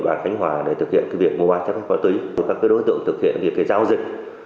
bàn khánh hòa để thực hiện việc mua ma túy các đối tượng thực hiện việc giao dịch